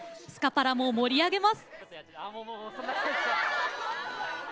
スカパラも盛り上げます。